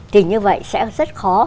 thì như vậy sẽ rất khó